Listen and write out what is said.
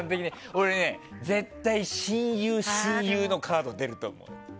俺ね、絶対親友のカード出ると思う。